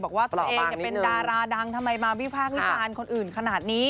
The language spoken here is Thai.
บอกว่าตัวเองเป็นดาราดังทำไมมาวิพากษ์วิจารณ์คนอื่นขนาดนี้